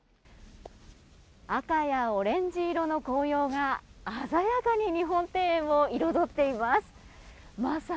赤やオレンジ色の紅葉が鮮やかに日本庭園を彩っています。